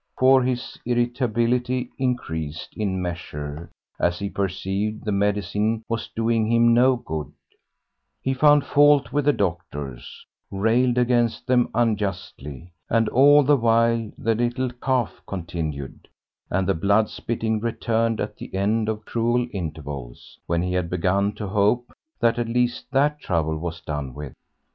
For his irritability increased in measure as he perceived the medicine was doing him no good; he found fault with the doctors, railed against them unjustly, and all the while the little; cough continued, and the blood spitting returned at the end of cruel intervals, when he had begun to hope that at least that trouble was done with.